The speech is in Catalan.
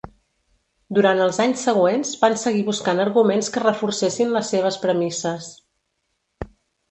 Durant els anys següents van seguir buscant arguments que reforcessin les seves premisses.